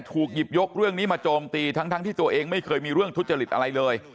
ถูกหยิบยกเรื่องนี้มาโจมตีทั้งที่ตัวเองไม่เคยมีเรื่องทุจริตอะไรเลย